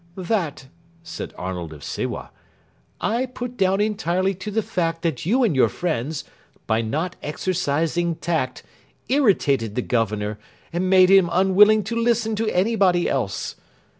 "That," said Arnold of Sewa, "I put down entirely to the fact that you and your friends, by not exercising tact, irritated the Governor, and made him unwilling to listen to anybody else.